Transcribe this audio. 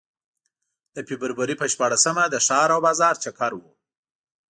د فبروري په شپاړسمه د ښار او بازار چکر و.